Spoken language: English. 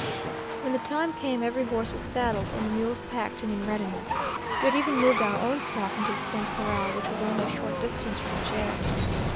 When the time came every horse was saddled and the mules packed and in readiness. We had even moved our own stock into the same corral, which was only a short distance from the jail.